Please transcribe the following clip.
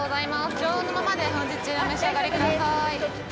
常温のままで本日中にお召し上がりください。